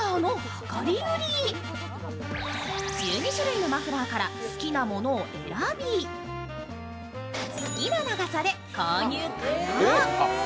１２種類のマフラーから好きなものを選び、好きな長さで購入可能。